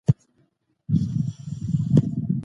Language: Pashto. ده د عربي، فارسي او هندي لغاتونه په پښتو استعمال کړل